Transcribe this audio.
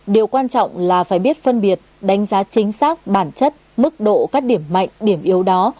điều quan trọng là phải biết phân biệt đánh giá chính xác bản chất mức độ các điểm mạnh điểm yếu đó